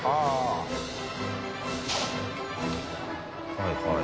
はいはい。